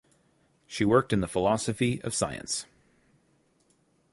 She worked in the philosophy of science.